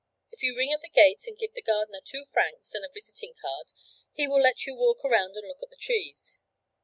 If you ring at the gate and give the gardener two francs and a visiting card, he will let you walk around and look at the trees.'